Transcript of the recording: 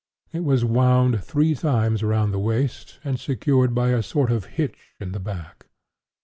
It was wound three times around the waist, and secured by a sort of hitch in the back.